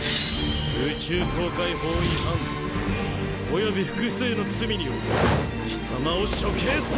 宇宙航海法違反および複数の罪により貴様を処刑する！